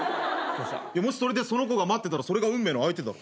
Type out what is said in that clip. もしそれでその子が待ってたらそれが運命の相手だろ。